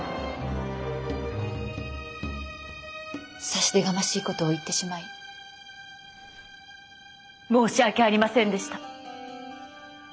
差し出がましいことを言ってしまい申し訳ありませんでした。